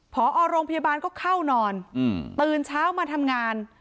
พอโรงพยาบาลก็เข้านอนตื่นเช้ามาทำงาน